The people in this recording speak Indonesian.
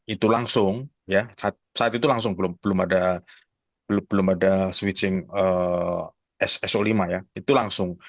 itu langsung ya saat itu langsung belum ada switching so lima ya itu langsung